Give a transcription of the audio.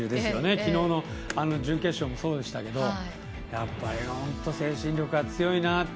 きのうの準決勝もそうでしたけれどもあれは本当に精神力が強いなって。